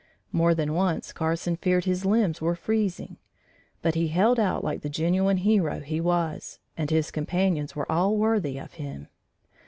More than once Carson feared his limbs were freezing, but he held out like the genuine hero he was, and his companions were all worthy of him.